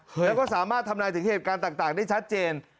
แล้วก็สามารถทำนายถึงเหตุการณ์ต่างได้ชัดเจน